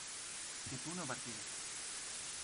que tú no partieras